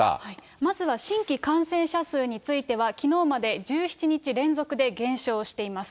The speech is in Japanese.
まずは新規感染者数については、きのうまで１７日連続で減少しています。